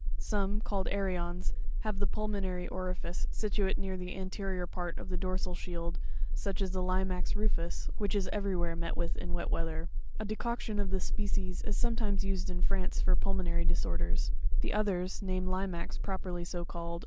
Some, called Artons, have the pulmonary orifice situate near the anterior part of the dorsal shield, such as the Limaz rufus, which is everywhere met with in wet weather; [a de coction of this species is sometimes used in France for pulmo nary disorders :] the others, named Limax properly so called, or Fig.